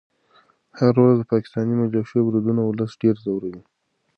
هره ورځ د پاکستاني ملیشو بریدونه ولس ډېر ځوروي.